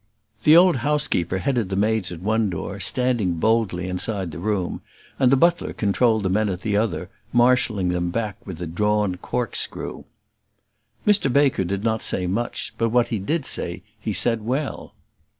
The old housekeeper headed the maids at one door, standing boldly inside the room; and the butler controlled the men at the other, marshalling them back with a drawn corkscrew. Mr Baker did not say much; but what he did say, he said well.